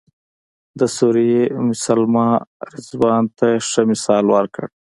د سوریې ام سلمې رضوان ته ښه مثال ورکړ.